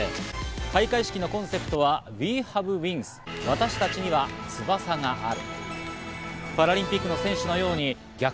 開会式のコンセプトは「ＷＥＨＡＶＥＷＩＮＧＳ」、私たちには翼がある。